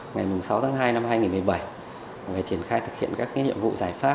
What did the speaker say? ngày sáu tháng hai năm hai nghìn một mươi bảy về triển khai thực hiện các nhiệm vụ giải pháp